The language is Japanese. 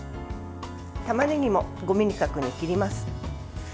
たまねぎも５ｍｍ角に切ります。